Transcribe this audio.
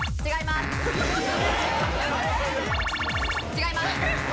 違います。